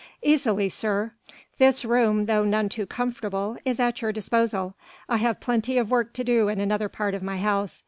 "Easily, sir. This room though none too comfortable is at your disposal. I have plenty of work to do in another part of my house.